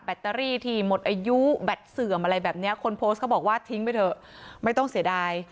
ตเตอรี่ที่หมดอายุแบตเสื่อมอะไรแบบเนี้ยคนโพสต์เขาบอกว่าทิ้งไปเถอะไม่ต้องเสียดาย